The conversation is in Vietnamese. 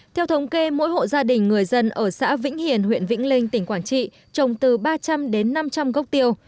theo thống kê mỗi hộ gia đình người dân ở xã vĩnh hiền huyện vĩnh linh tỉnh quảng trị trồng từ ba trăm linh đến năm trăm linh gốc tiêu